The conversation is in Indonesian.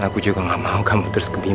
aku sudah selesai